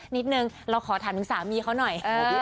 นิดนึงเราขอถามถึงสามีเขาหน่อย